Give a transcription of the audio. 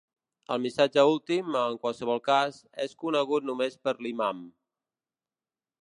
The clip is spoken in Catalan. El missatge últim, en qualsevol cas, és conegut només per l'imam.